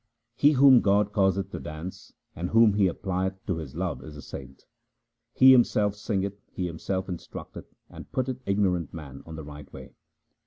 He whom God causeth to dance and whom He applieth to His love is a saint. He himself singeth, he himself instructeth, and putteth ignorant man on the right way.